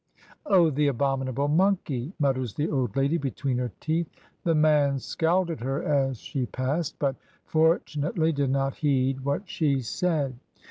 "Oh the abominable monkey," mutters the old lady between her teeth. The man scowled at her as she passed, but fortunately did ^ot heed what she said.